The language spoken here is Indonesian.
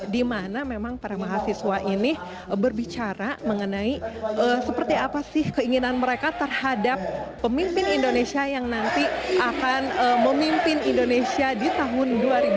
di mana memang para mahasiswa ini berbicara mengenai seperti apa sih keinginan mereka terhadap pemimpin indonesia yang nanti akan memimpin indonesia di tahun dua ribu dua puluh empat